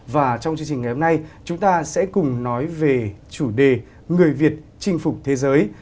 và trong chương trình ngày hôm nay chúng ta sẽ cùng nói về chủ đề người việt chinh phục thế giới